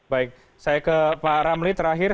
baik saya ke pak ramli terakhir